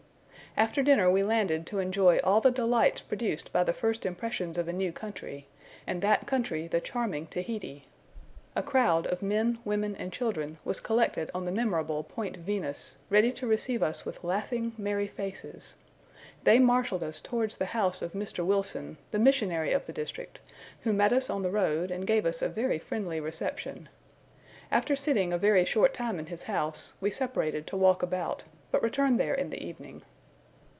After dinner we landed to enjoy all the delights produced by the first impressions of a new country, and that country the charming Tahiti. A crowd of men, women, and children, was collected on the memorable Point Venus, ready to receive us with laughing, merry faces. They marshalled us towards the house of Mr. Wilson, the missionary of the district, who met us on the road, and gave us a very friendly reception. After sitting a very short time in his house, we separated to walk about, but returned there in the evening.